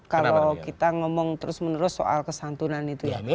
kalau kita ngomong terus menerus soal kesantunan itu ya